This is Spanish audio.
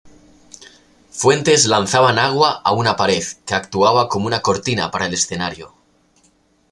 Fuentes lanzaban agua a una pared, que actuaba como una cortina para el escenario.